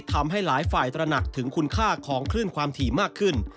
ทำให้หลายฝ่ายตระหนักถึงคุณค่าของคลื่นความถี่มากขึ้น